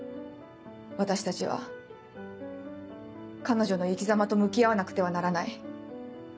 私たちは彼女の生きざまと向き合わなくてはならない。